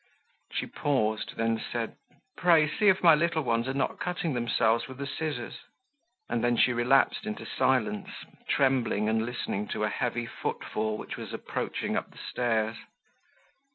She paused, then said, "Pray, see if my little ones are not cutting themselves with the scissors." And then she relapsed into silence, trembling and listening to a heavy footfall which was approaching up the stairs.